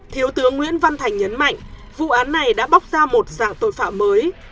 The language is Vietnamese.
thiếu tướng nguyễn văn thành nhấn mạnh vụ án này đã bóc ra một dạng tội phạm mới